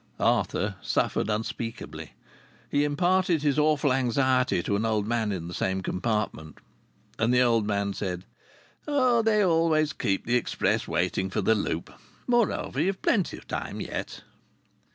Arthur suffered unspeakably. He imparted his awful anxiety to an old man in the same compartment. And the old man said: "They always keep the express waiting for the Loop. Moreover, you've plenty o' time yet."